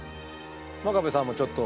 真壁さんもちょっと。